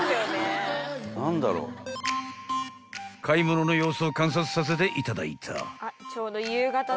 ［買い物の様子を観察させていただいた］